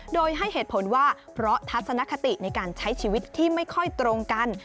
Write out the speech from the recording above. โดยให้เหตุผลว่าเพราะทัศนคติในการใช้ชีวิตที่ไม่ค่อยตรงกัน